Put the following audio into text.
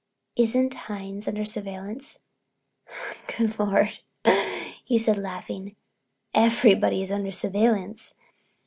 "Isn't Hines under surveillance?" "Good Lord," says he laughing, "everybody's under surveillance.